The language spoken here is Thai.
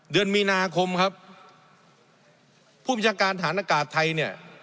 เดือนมีนาคมครับผู้บัญชาการฐานอากาศไทยเนี่ย